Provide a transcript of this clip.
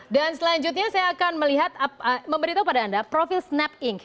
dan selanjutnya saya akan memberitahu pada anda profil snap inc